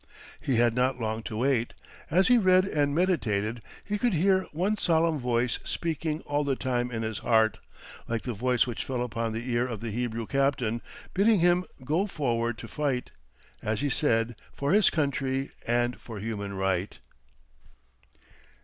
He had not long to wait. As he read and meditated, he could hear one solemn voice speaking all the time in his heart, like the voice which fell upon the ear of the Hebrew captain, bidding him go forward to fight, as he said, for his country and for human right.